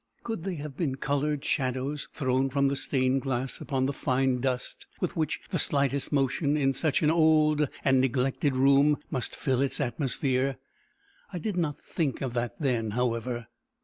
Could they have been coloured shadows thrown from the stained glass upon the fine dust with which the slightest motion in such an old and neglected room must fill its atmosphere? I did not think of that then, however.